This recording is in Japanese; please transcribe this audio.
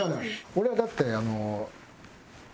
俺はだってあの。